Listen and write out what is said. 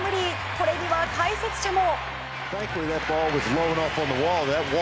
これには解説者も。